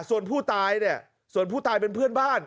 ส่วนผู้ตายเนี่ยส่วนผู้ตายเป็นเพื่อนบ้าน